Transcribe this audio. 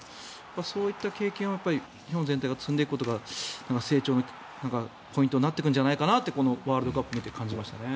そういった経験を日本全体が積んでいくことが成長のポイントになるんじゃないかなとワールドカップを見て感じましたね。